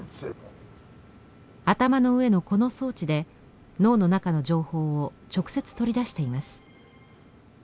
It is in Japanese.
頭の上のこの装置で脳の中の情報を直接取り出しています。